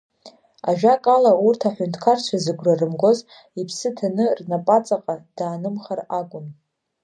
Ажәакала, урҭ аҳәынҭқарцәа зыгәра рымгоз иԥсы ҭаны рнапаҵаҟа даанымхар акәын.